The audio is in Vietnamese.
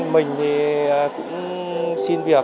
mình thì cũng xin việc